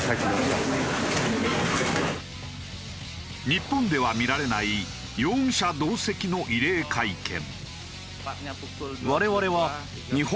日本では見られない容疑者同席の異例会見。